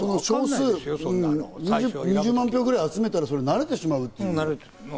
２０万票くらい集めたら、なれてしまう。